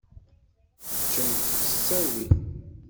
Ččemt s ttawil.